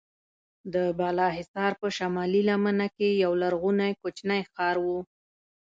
د بالاحصار په شمالي لمنه کې یو لرغونی کوچنی ښار و.